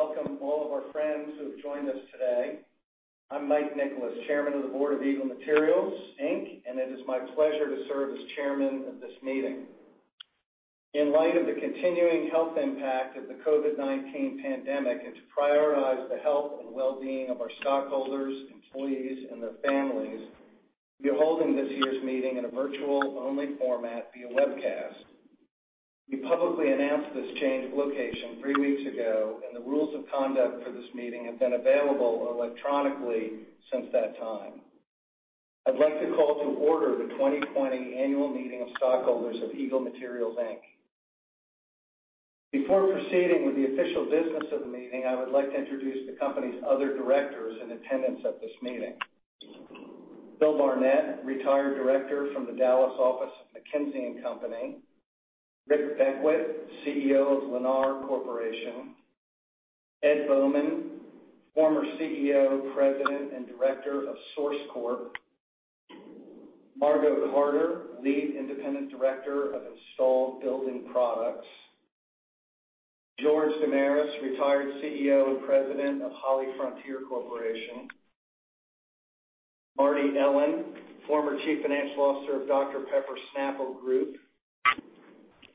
Morning. I want to welcome all of our friends who have joined us today. I'm Mike Nicolais, Chairman of the Board of Eagle Materials Inc. It is my pleasure to serve as chairman of this meeting. In light of the continuing health impact of the COVID-19 pandemic, to prioritize the health and well-being of our stockholders, employees, and their families, we are holding this year's meeting in a virtual-only format via webcast. We publicly announced this change of location three weeks ago. The rules of conduct for this meeting have been available electronically since that time. I'd like to call to order the 2020 annual meeting of stockholders of Eagle Materials Inc. Before proceeding with the official business of the meeting, I would like to introduce the company's other directors in attendance at this meeting. Bill Barnett, retired director from the Dallas office of McKinsey & Company. Rick Beckwitt, CEO of Lennar Corporation. Ed Bowman, former CEO, President, and Director of SOURCECORP. Margot Carter, Lead Independent Director of Installed Building Products. George Damiris, retired CEO and President of HollyFrontier Corporation. Marty Ellen, former Chief Financial Officer of Dr Pepper Snapple Group.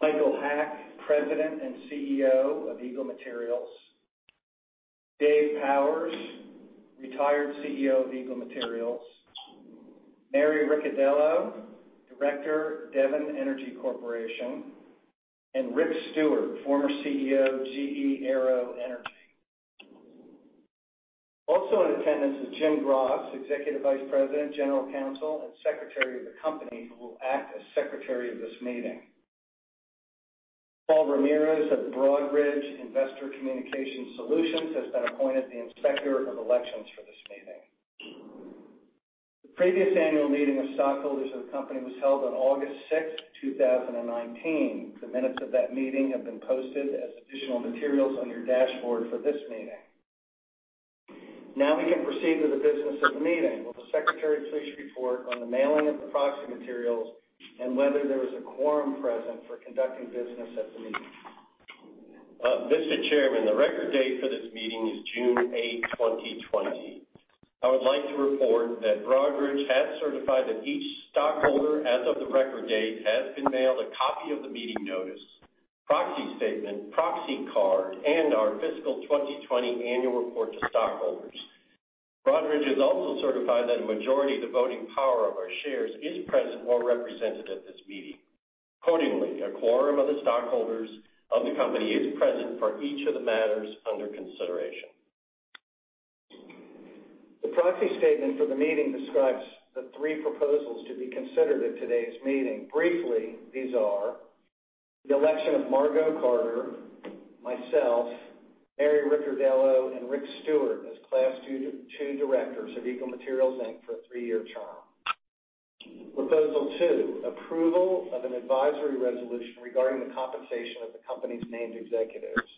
Michael Haack, President and CEO of Eagle Materials. Dave Powers, retired CEO of Eagle Materials. Mary Ricciardello, Director, Devon Energy Corporation, and Rick Stewart, former CEO, GE Aero Energy. Also in attendance is Jim Graass, Executive Vice President, General Counsel, and Secretary of the company, who will act as secretary of this meeting. Paul Ramirez of Broadridge Investor Communication Solutions has been appointed the Inspector of Elections for this meeting. The previous annual meeting of stockholders of the company was held on August 6th, 2019. The minutes of that meeting have been posted as additional materials on your dashboard for this meeting. Now we can proceed with the business of the meeting. Will the secretary please report on the mailing of the proxy materials and whether there is a quorum present for conducting business at the meeting? Mr. Chairman, the record date for this meeting is June 8th, 2020. I would like to report that Broadridge has certified that each stockholder, as of the record date, has been mailed a copy of the meeting notice, proxy statement, proxy card, and our fiscal 2020 annual report to stockholders. Broadridge has also certified that a majority of the voting power of our shares is present or represented at this meeting. Accordingly, a quorum of the stockholders of the company is present for each of the matters under consideration. The proxy statement for the meeting describes the three proposals to be considered at today's meeting. Briefly, these are the election of Margot Carter, myself, Mary Ricciardello, and Rick Stewart as Class 2 Directors of Eagle Materials Inc. for a three-year term. Proposal two, approval of an advisory resolution regarding the compensation of the company's named executives.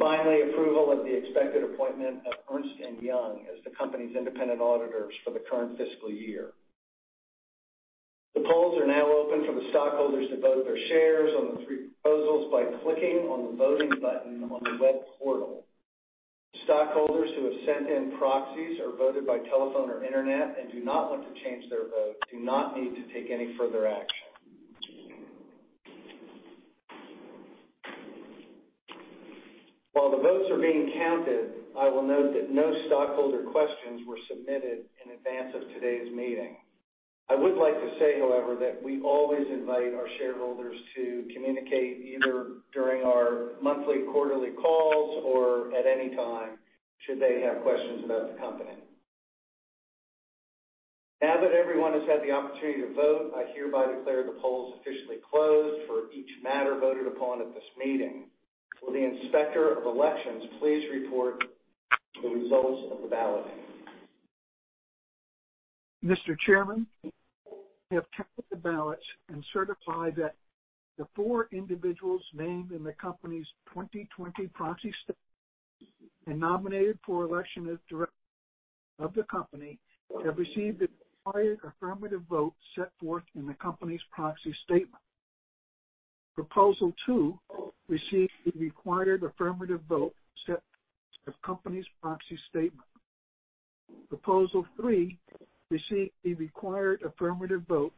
Finally, approval of the expected appointment of Ernst & Young as the company's independent auditors for the current fiscal year. The polls are now open for the stockholders to vote their shares on the three proposals by clicking on the voting button on the web portal. Stockholders who have sent in proxies or voted by telephone or internet and do not want to change their vote do not need to take any further action. While the votes are being counted, I will note that no stockholder questions were submitted in advance of today's meeting. I would like to say, however, that we always invite our shareholders to communicate, either during our monthly quarterly calls or at any time should they have questions about the company. Now that everyone has had the opportunity to vote, I hereby declare the polls officially closed for each matter voted upon at this meeting. Will the Inspector of Elections please report the results of the balloting? Mr. Chairman, we have counted the ballots and certify that the four individuals named in the company's 2020 proxy statement and nominated for election as directors of the company have received the required affirmative vote set forth in the company's proxy statement. Proposal two received the required affirmative vote set in the company's proxy statement. Proposal three received the required affirmative vote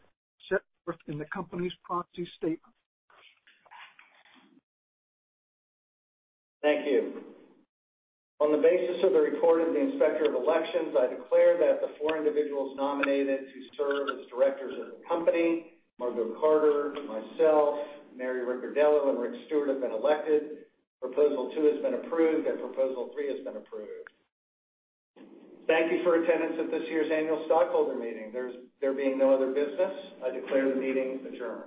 set forth in the company's proxy statement. Thank you. On the basis of the report of the Inspector of Elections, I declare that the four individuals nominated to serve as directors of the company, Margot Carter, myself, Mary Ricciardello, and Rick Stewart have been elected. Proposal two has been approved, and proposal three has been approved. Thank you for attendance at this year's annual stockholder meeting. There being no other business, I declare the meeting adjourned.